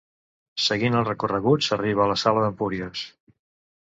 Seguint el recorregut s'arriba a la sala d'Empúries.